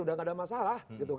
sudah enggak ada masalah